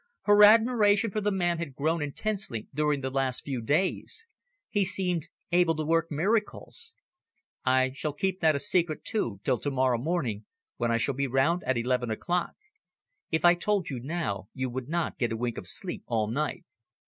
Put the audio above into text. Her admiration for the man had grown intensely during the last few days. He seemed able to work miracles. "I shall keep that a secret too till to morrow morning, when I shall be round at eleven o'clock. If I told you now, you would not get a wink of sleep all night."